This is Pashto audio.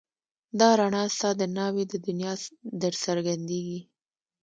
دا رڼا ستا د ناوې د دنيا درڅرګنديږي